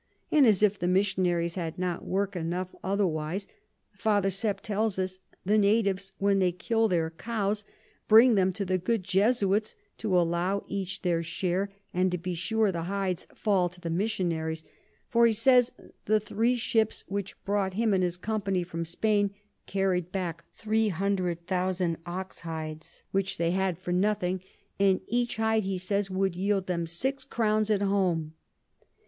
And as if the Missionaries had not Work enough otherwise, Father Sepp tells us, the Natives when they kill their Cows bring 'em to the good Jesuits to allow each their share; and to be sure the Hides fall to the Missionaries, for he says the three Ships which brought him and his Companions from Spain, carry'd back 300000 Ox Hides, which they had for nothing, and each Hide he says would yield 'em six Crowns at home.